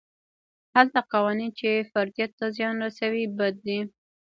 هغه قوانین چې فردیت ته زیان رسوي بد دي.